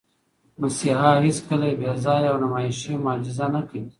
مسیحا هیڅکله بېځایه او نمایشي معجزه نه کوي.